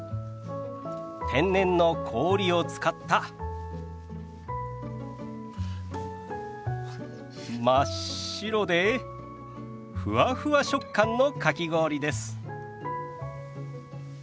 天然の氷を使った真っ白でふわふわ食感のかき氷です。